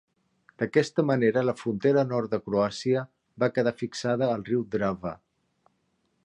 D'aquesta manera la frontera nord de Croàcia va quedar fixada al riu Drava.